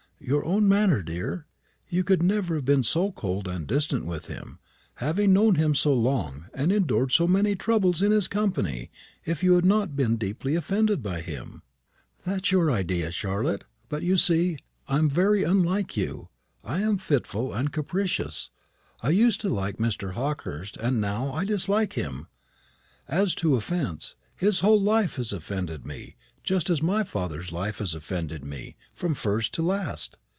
"Your own manner, dear. You could never have been so cold and distant with him having known him so long, and endured so many troubles in his company if you had not been deeply offended by him." "That is your idea, Charlotte; but, you see, I am very unlike you. I am fitful and capricious. I used to like Mr. Hawkehurst, and now I dislike him. As to offence, his whole life has offended me, just as my father's life has offended me, from first to last.